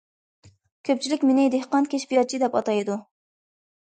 كۆپچىلىك مېنى دېھقان كەشپىياتچى، دەپ ئاتايدۇ.